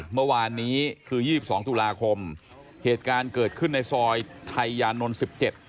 เมื่อวานนี้คือยี่สิบสองตุลาคมเหตุการณ์เกิดขึ้นในซอยไทยยานนท์สิบเจ็ด